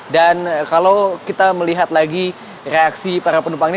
dan kalau kita melihat lagi reaksi para penumpang ini